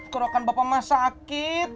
korekan bapak mah sakit